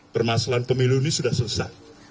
permasalahan pemilu ini sudah selesai